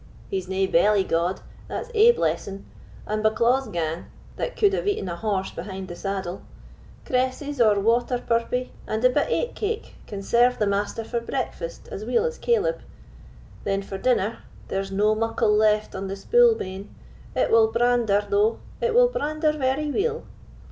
"He's nae belly god, that's ae blessing; and Bucklaw's gane, that could have eaten a horse behind the saddle. Cresses or water purpie, and a bit ait cake, can serve the Master for breakfast as weel as Caleb. Then for dinner—there's no muckle left on the spule bane; it will brander, though—it will brander very weel."